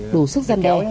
đủ sức gian đe